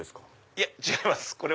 いや違います。